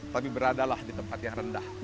tapi beradalah di tempat yang rendah